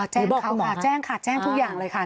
บอกเขาค่ะแจ้งค่ะแจ้งทุกอย่างเลยค่ะ